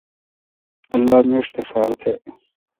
اللہ میݭ تہ خار تہ۔